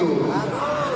jadi kok ditolak